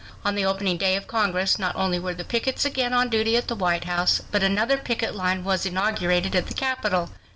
On the opening day of Congress not only were the pickets again on duty at the White House, but another picket line was inaugurated at the Capitol.